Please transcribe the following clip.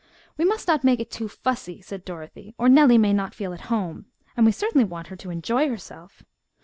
"We must not make it too fussy," said Dorothy, "or Nellie may not feel at home; and we certainly want her to enjoy herself.